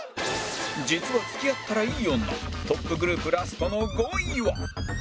実は付き合ったらイイ女トップグループラストの５位は